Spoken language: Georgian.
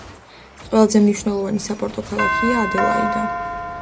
ყველაზე მნიშვნელოვანი საპორტო ქალაქია ადელაიდა.